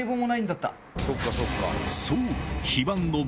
そう！